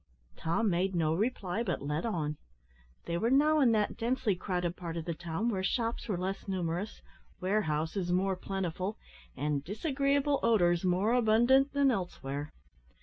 Tom made no reply, but led on. They were now in that densely crowded part of the town where shops were less numerous, warehouses more plentiful, and disagreeable odours more abundant, than elsewhere.